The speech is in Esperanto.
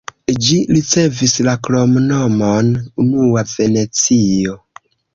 Ĝi ricevis la kromnomon "unua Venecio".